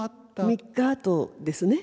３日あとですね。